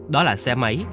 đó là xe máy